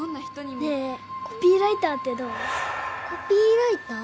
ねえコピーライターってコピーライター？